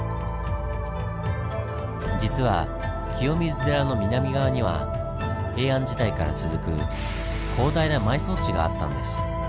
実は清水寺の南側には平安時代から続く広大な埋葬地があったんです。